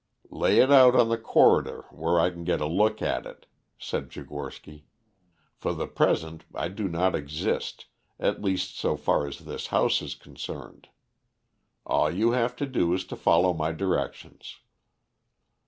"Lay it out in the corridor, where I can get a look at it," said Tchigorsky. "For the present I do not exist at least, so far as this house is concerned. All you have to do is to follow my directions."